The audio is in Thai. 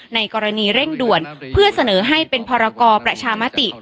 ในกรณีเร่งด่วนเพื่อเสนอให้เป็นพรกรประชามติ